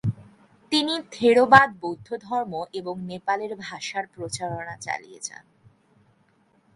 তিনি থেরোবাদ বৌদ্ধধর্ম এবং নেপাল ভাষার প্রচারণা চালিয়ে যান।